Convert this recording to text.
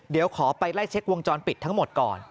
เดี๋ยวขอไปไล่เช็ควงจรปิดทั้งหมดก่อน